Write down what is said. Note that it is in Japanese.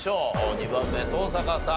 ２番目登坂さん